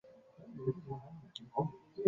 纽约洋基